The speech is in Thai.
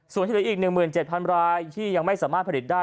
ส่วนที่เหลืออีก๑๗๐๐รายที่ยังไม่สามารถผลิตได้